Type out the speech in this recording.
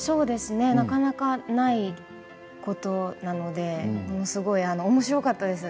なかなかないことなのでおもしろかったです。